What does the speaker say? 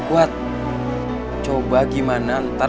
udah plastikin tuh